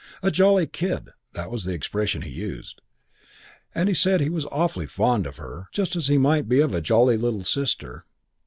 'A jolly kid,' that was the expression he used, and he said he was awfully fond of her just as he might be of a jolly little sister.